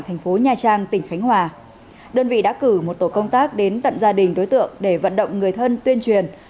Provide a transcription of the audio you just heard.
thành phố nha trang tỉnh khánh hòa đơn vị đã cử một tổ công tác đến tận gia đình đối tượng để vận động người thân tuyên truyền